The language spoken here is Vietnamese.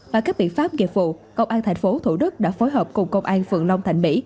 và các biện pháp nghiệp vụ công an tp thủ đức đã phối hợp cùng công an phượng long thành mỹ